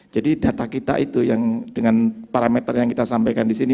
jadi data kita itu dengan parameter yang kita sampaikan disini